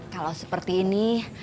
kalau seperti ini